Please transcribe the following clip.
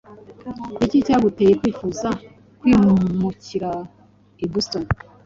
Niki cyaguteye kwifuza kwimukira i Boston?